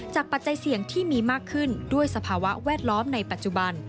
ปัจจัยเสี่ยงที่มีมากขึ้นด้วยสภาวะแวดล้อมในปัจจุบัน